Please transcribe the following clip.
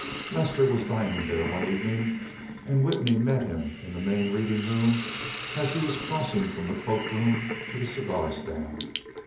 Lester was dining there one evening, and Whitney met him in the main reading room as he was crossing from the cloak room to the cigar stand.